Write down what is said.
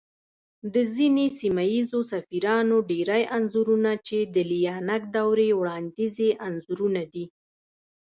د ځينې سيمه ييزو سفيرانو ډېری انځورنه چې د ليانگ دورې وړانديزي انځورونه دي